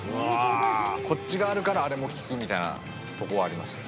こっちがあるから、こっちが効くみたいなところはありますね。